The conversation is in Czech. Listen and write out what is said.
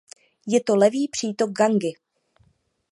Je to levý přítok Gangy.